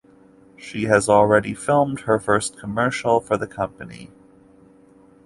She has already filmed her first commercial for the company.